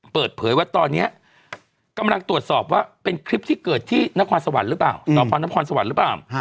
เปิดเผยว่าตอนนี้กำลังตรวจสอบว่าเป็นคลิปที่เกิดที่นครสวรรค์หรือเปล่า